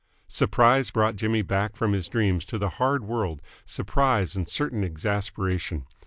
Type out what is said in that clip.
Surprise brought Jimmy back from his dreams to the hard world surprise and a certain exasperation.